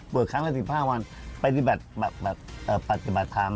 ครั้งละ๑๕วันปฏิบัติธรรม